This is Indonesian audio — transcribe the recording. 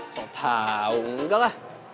so tau enggak lah